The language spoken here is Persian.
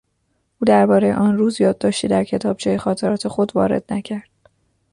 او دربارهی آن روز یادداشتی در کتابچهی خاطرات خود وارد نکرد.